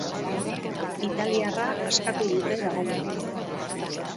Italiarra askatu dute dagoeneko.